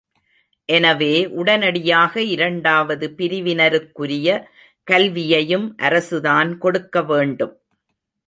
எனவே, உடனடியாக இரண்டாவது பிரிவினருக்குரிய கல்வியையும் அரசுதான் கொடுக்க வேண்டும்!